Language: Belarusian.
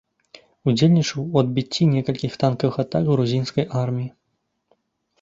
Удзельнічаў у адбіцці некалькіх танкавых атак грузінскай арміі.